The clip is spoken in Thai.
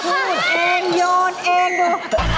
พูดเองโยนเองดู